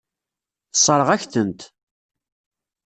Tessṛeɣ-ak-tent.